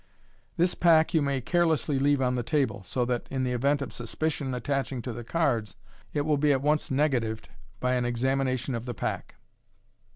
This pack you may carelessly leave on the table; so that in the event of suspicion attaching to the cards, it will be at once negatived by an examination of the pack.